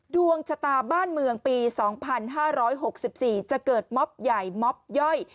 ดวงชะตาบ้านเมืองปี๒๕๖๔จะเกิดม็อบใหญ่ม็อบย่อย